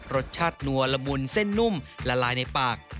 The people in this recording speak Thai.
รสชาตินัวละมุนเส้นนุ่มละลายในปาก